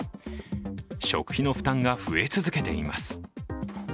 食費の負担が増え続けています。